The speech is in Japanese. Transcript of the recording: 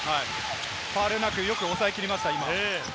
ファウルなくよく抑えきりました、今。